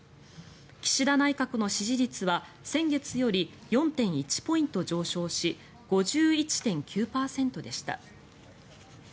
岸田内閣の支持率は先月より４．１ポイント上昇し５１．９％でした。